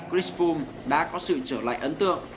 chris fulm đã có sự trở lại ấn tượng